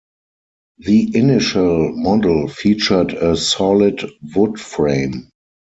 The initial model featured a solid wood frame.